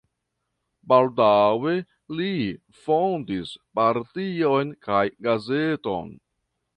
Baldaŭe li fondis partion kaj gazeton.